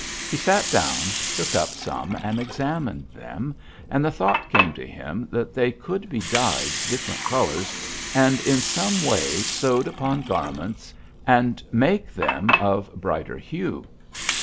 He sat down, took up some and examined them, and the thought came to him that they could be dyed different colors and in some way sewed upon garments and make them of brighter hue.